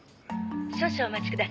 「少々お待ちください。